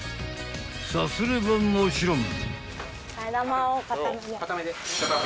［さすればもちろん］